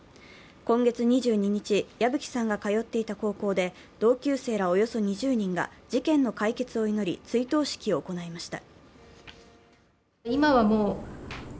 今月２２日、矢吹さんが通っていた高校で同級生らおよそ２０人が事件の解決を祈り、追悼式を行いました。